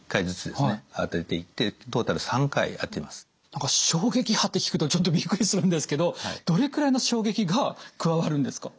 何か衝撃波って聞くとちょっとビックリするんですけどどれくらいの衝撃が加わるんですか？